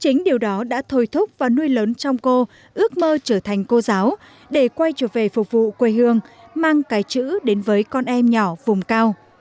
chính điều đó đã thôi thúc và nuôi lớn trong cô ước mơ trở thành cô giáo để quay trở về phục vụ quê hương mang cái chữ đến với con em nhỏ vùng cao